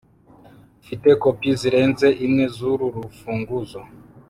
ufite kopi zirenze imwe zuru rufunguzo